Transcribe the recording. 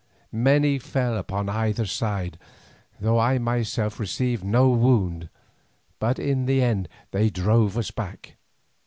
Many fell upon either side, though I myself received no wound, but in the end they drove us back.